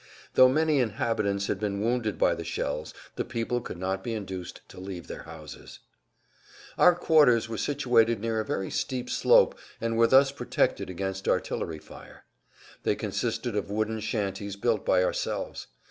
Though many inhabitants had been wounded by the shells the people could not be induced to leave their houses. [Pg 179]Our quarters were situated near a very steep slope and were thus protected against artillery fire. They consisted of wooden shanties built by ourselves.